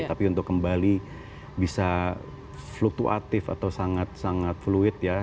tapi untuk kembali bisa fluktuatif atau sangat sangat fluid ya